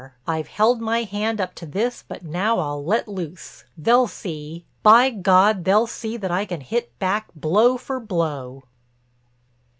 I've held my hand up to this but now I'll let loose. They'll see! By God, they'll see that I can hit back blow for blow."